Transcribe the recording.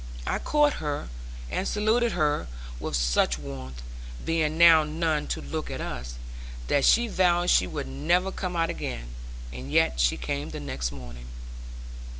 I caught her and saluted her with such warmth (being now none to look at us), that she vowed she would never come out again; and yet she came the next morning.